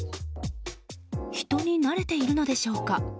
人に慣れているのでしょうか。